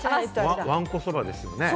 これ、わんこそばですよね。